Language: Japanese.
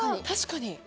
確かに。